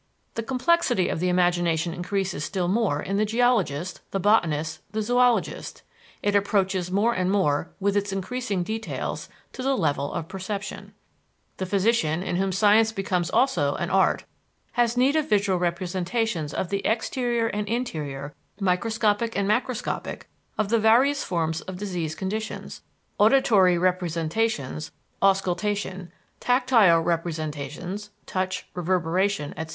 The complexity of the imagination increases still more in the geologist, the botanist, the zoologist; it approaches more and more, with its increasing details, to the level of perception. The physician, in whom science becomes also an art, has need of visual representations of the exterior and interior, microscopic and macroscopic, of the various forms of diseased conditions; auditory representations (auscultation); tactile representations (touch, reverberation, etc.)